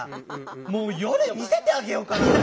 もう夜見せてあげようかなと。